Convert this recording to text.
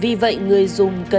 vì vậy người dùng cần